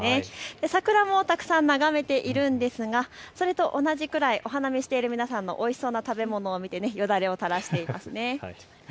桜もたくさん眺めているんですがそれと同じくらいお花見している皆さんのおいしそうな食べ物を見てよだれを垂らしています。